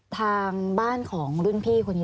ทางบ้านของรุ่นพี่คนนี้